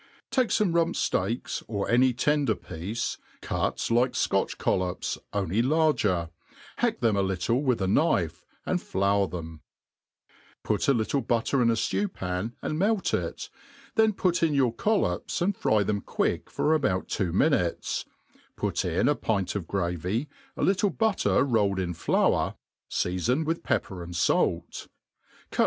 TAKE fom^ rump ftcak$, or any tender piece, cut like^ Scotch collops, only larger, hack them a little with a knife^^ ^nd flour then) ; put a IitcJe butter in a ftew pan, arid melt it^^ ^bfin put in your collops, and fry them quick for about two ^inutss ; put in a pint of gravy, a little butter, rolled in flour ; MADE PLAIN AND EASY. 39 ^afonwith pepper and fait; cut.